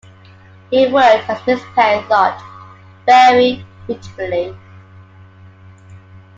He worked, as Mrs. Perry thought, very fitfully.